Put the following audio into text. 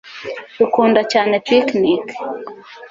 Dukunda cyane picnike